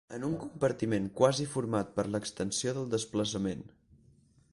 En un compartiment quasi format per l'extensió del desplaçament.